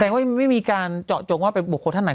ว่ายังไม่มีการเจาะจงว่าเป็นบุคคลท่านไหน